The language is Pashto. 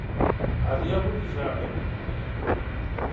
عالیه ولي ژاړي؟